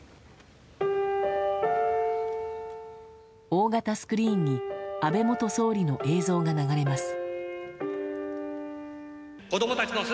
大型スクリーンに安倍元総理の映像が流れます。